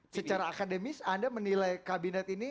secara akademis anda menilai kabinet ini